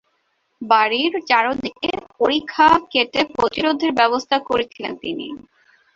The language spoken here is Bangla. বাড়ীর চারিদিকে পরিখা কেটে প্রতিরোধের ব্যবস্থা করেছিলেন তিনি।